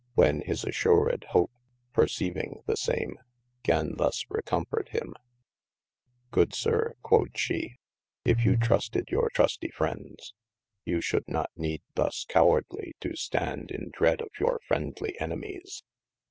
Whe his assured Hope, perceiving the same, gan thus recofort him : good sir (quod she) if you trusted your trusty frieds, you should not neede thus cowardly to stad in dread of your friendly enimies.